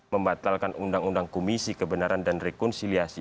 membatalkan undang undang komisi kebenaran dan rekonsiliasi